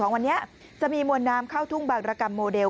วันนี้จะมีมวลน้ำเข้าทุ่งบางรกรรมโมเดล